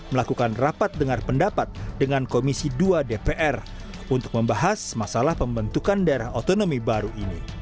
melakukan rapat dengar pendapat dengan komisi dua dpr untuk membahas masalah pembentukan daerah otonomi baru ini